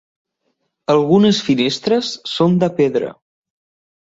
Algunes finestres són de pedra.